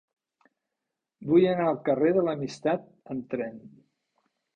Vull anar al carrer de l'Amistat amb tren.